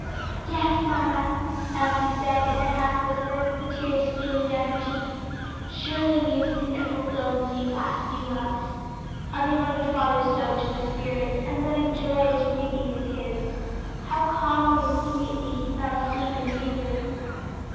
'" "Yes, mamma," Elsie said in a half whisper, the tears stealing down her cheeks, "surely we have seen it fulfilled in these last few months. Our beloved father sowed to the Spirit, and what a joyous reaping is his! How calmly and sweetly he fell asleep in Jesus."